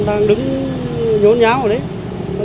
đang đứng nhốn nháo ở đấy